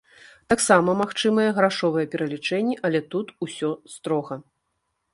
Таксама магчымыя грашовыя пералічэнні, але тут усё строга.